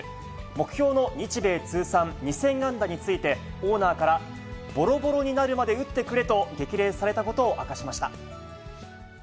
目標の日米通算２０００安打について、オーナーからぼろぼろになるまで打ってくれと、激励されたことを明かしました。